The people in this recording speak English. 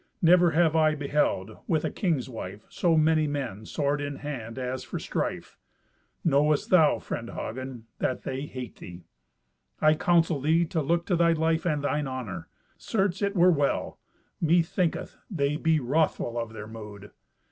Never have I beheld, with a king's wife, so many men, sword in hand, as for strife. Knowest thou, friend Hagen, that they hate thee? I counsel thee to look to thy life and thine honour. Certes, it were well. Methinketh they be wrothful of their mood.